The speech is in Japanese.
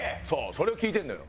それを聞いてるのよ。